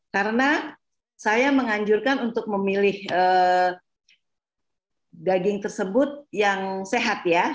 karena saya menganjurkan untuk memilih daging tersebut yang sehat ya